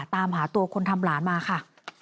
ตามหาตัวคนทำหลานมาค่ะ